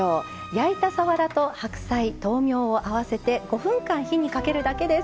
焼いたさわらと白菜、豆苗を合わせて５分間、火にかけるだけです。